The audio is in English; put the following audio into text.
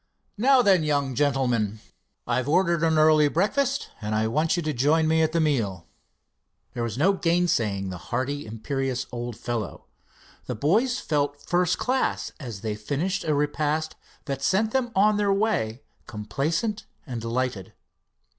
Now then, young gentlemen, I've ordered an early breakfast, and I want you to join me at the meal." There was no gainsaying the hearty, imperious old fellow. The boys felt first class as they finished a repast that sent them on their way complacent and delighted.